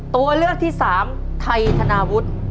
ตัวเลือกที่สามไทยธนาวุฒิ